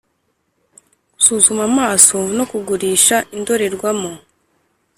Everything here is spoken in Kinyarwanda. gusuzuma amaso no kugurisha indorerwamo